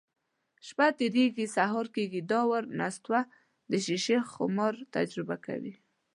شپه تېرېږي، سهار کېږي. دا وار نستوه د شیشې خمار تجربه کوي: